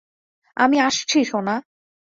আমি আসছি সোনা।